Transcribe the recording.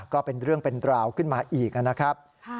ก็เป็นเรื่องเป็นราวขึ้นมาอีกนะครับ